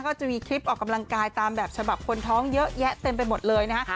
ก็จะมีคลิปออกกำลังกายตามแบบฉบับคนท้องเยอะแยะเต็มไปหมดเลยนะฮะ